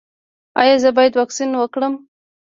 ایا زه باید واکسین وکړم؟